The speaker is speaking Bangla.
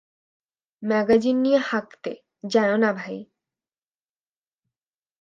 ম্যাগাজিন নিয়া হাগতে, যায়ো না ভাই।